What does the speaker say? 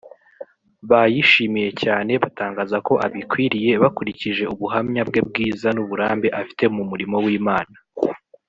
bayishimiye cyane batangaza ko abikwiriye bakurikije ubuhamya bwe bwiza n’uburambe afite mu murimo w’Imana